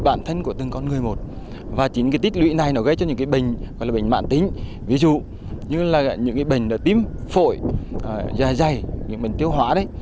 bệnh gọi là bệnh mạng tính ví dụ như là những bệnh tím phổi dài dày những bệnh tiêu hóa đấy